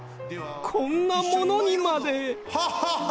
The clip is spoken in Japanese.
こんなものにまでハハハハハ。